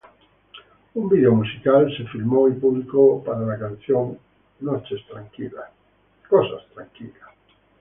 Un video musical fue filmado y publicado para la canción "Nice Things.